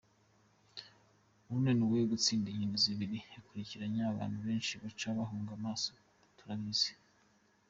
"Unaniwe gutsinda inkino zibiri wikurikiranya, abantu benshi baca baguhanga amaso - turabizi.